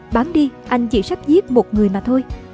bám đi anh chỉ sắp giết một người mà thôi